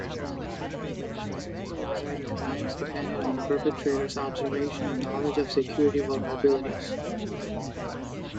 Successful insider crimes depended on the perpetrators' observation and knowledge of security vulnerabilities.